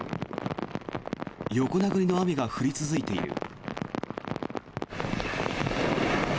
横殴りの雨が降り続いている。